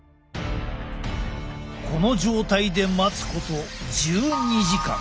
この状態で待つこと１２時間。